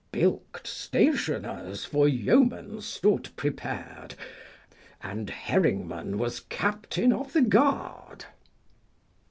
Bilk'd stationers for yeomen stood prepared, And Herringman 7 was captain of the guard.